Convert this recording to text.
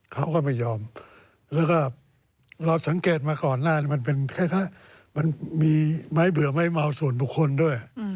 เขาก็ไม่ยอมแล้วก็เราสังเกตมาก่อนหน้ามันเป็นคล้ายมันมีไม้เบื่อไม้เมาส่วนบุคคลด้วย